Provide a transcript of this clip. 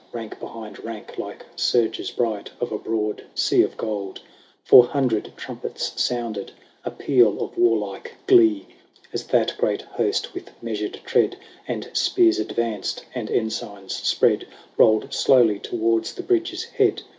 Rank behind rank, like surges bright Of a broad sea of gold. Four hundred trumpets sounded A peal of warlike glee, As that great host, with measured tread. And spears advanced, and ensigns spread. Rolled slowly towards the bridge's head.